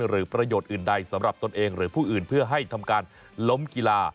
หรือประโยชน์อื่นใดสำหรับตนเองหรือผู้อื่นเพื่อให้ทำการล้มกีฬา